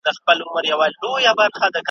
زه کرار درنیژدې کېږم له تنې دي بېلومه ,